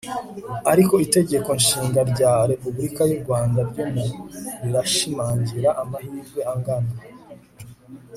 ariko itegeko nshinga rya republika y'urwanda ryo mu rirashamangira amahirwe angana